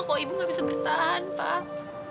kok ibu nggak bisa bertahan pak